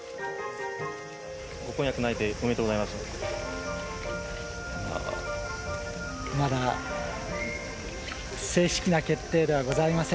ご婚約内定おめでとうございます。